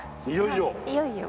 いよいよ。